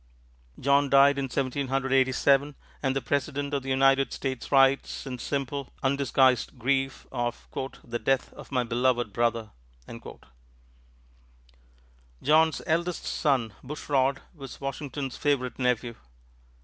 John died in Seventeen Hundred Eighty seven, and the President of the United States writes in simple, undisguised grief of "the death of my beloved brother." John's eldest son, Bushrod, was Washington's favorite nephew.